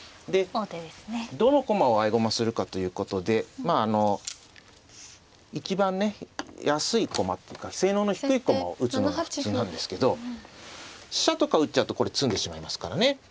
どの駒を合駒するかということでまああの一番ね安い駒っていうか性能の低い駒を打つのが普通なんですけど飛車とか打っちゃうとこれ詰んでしまいますからね。